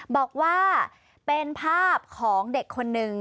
บอกว่าเป็นภาพของเด็กคนนึง